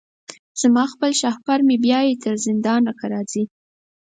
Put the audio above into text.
زما خپل شهپر مي بیايي تر زندانه که راځې